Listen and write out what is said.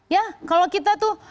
ya kalau kita tuh